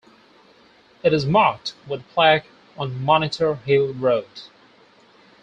It is marked with a plaque on Monitor Hill Road.